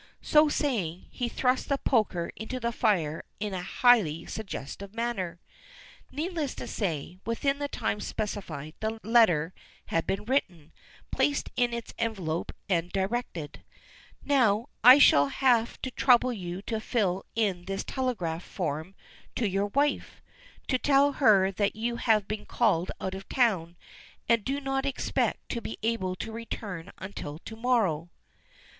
So saying, he thrust the poker into the fire in a highly suggestive manner. Needless to say, within the time specified the letter had been written, placed in its envelope, and directed. "Now I shall have to trouble you to fill in this telegraph form to your wife, to tell her that you have been called out of town, and do not expect to be able to return until to morrow."